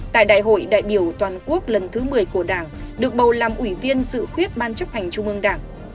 tại đại hội đại biểu toàn quốc lần thứ một mươi của đảng được bầu làm ủy viên dự khuyết ban chấp hành trung ương đảng